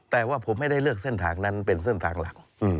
แต่ว่าผมไม่ได้เลือกเส้นทางนั้นเป็นเส้นทางหลัก